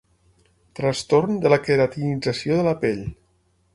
Trastorn de la queratinització de la pell.